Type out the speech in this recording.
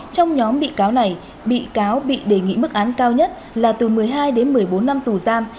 trong nhóm bị cáo này bị cáo bị đề nghị mức án cao nhất là từ một mươi hai đến một mươi bốn năm tù giam